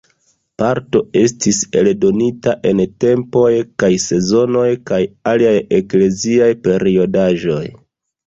Parto estis eldonita en "Tempoj kaj Sezonoj" kaj aliaj ekleziaj periodaĵoj.